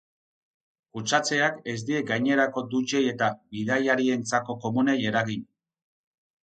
Kutsatzeak ez die gainerako dutxei eta bidaiarientzako komunei eragin.